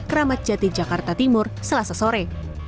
kramatjati jakarta timur selasa sore